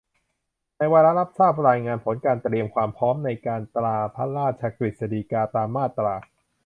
ในวาระรับทราบรายงานผลการเตรียมความพร้อมในการตราพระราชกฤษฎีกาตามมาตรา